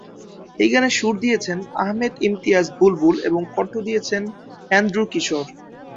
এই গানে সুর দিয়েছেন আহমেদ ইমতিয়াজ বুলবুল এবং কন্ঠ দিয়েছেন অ্যান্ড্রু কিশোর।